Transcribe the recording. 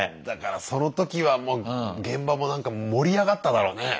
だからそのときはもう現場もなんか盛り上がっただろうね。